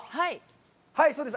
はい、そうです。